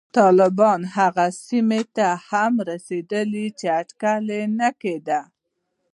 طالبان هغو سیمو ته هم رسېدلي چې اټکل نه کېده